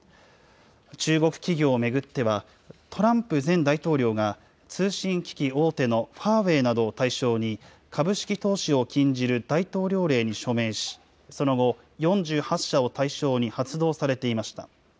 中国企業を巡っては、トランプ前大統領が、通信機器大手のファーウェイなどを対象に、株式投資を禁じる大統領令に署名し、その後、４８社を対象に発動されていました。